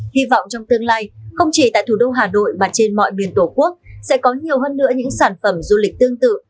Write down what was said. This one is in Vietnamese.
hy vọng trong tương lai không chỉ tại thủ đô hà nội mà trên mọi miền tổ quốc sẽ có nhiều hơn nữa những sản phẩm du lịch tương tự